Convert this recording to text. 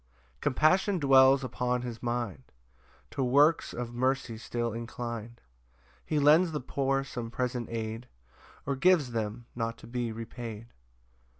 2 Compassion dwells upon his mind, To works of mercy still inclin'd: He lends the poor some present aid, Or gives them, not to be repaid.